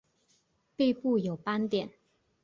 背部有斑点。